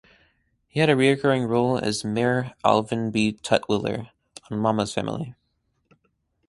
He had a recurring role as Mayor Alvin B. Tutwiller on "Mama's Family".